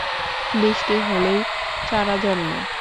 বৃষ্টি হলেই, চারা জন্মায়।